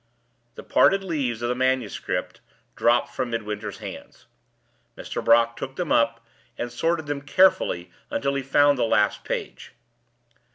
The parted leaves of the manuscript dropped from Midwinter's hands. Mr. Brock took them up, and sorted them carefully until he found the last page.